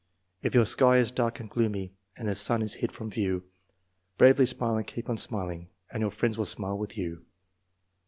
If your sky is dark and gloomy, and the sun is hid from view, Bravely smile and keep on smiling, And your friends will smile with you.